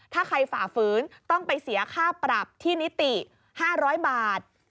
ถ้าใครฝ่าฝืนต้องไปเสียค่าปรับที่นิติ๕๐๐บาท